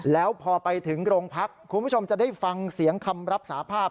แล้วพอไปถึงโรงพักคุณผู้ชมจะได้ฟังเสียงคำรับสาภาพ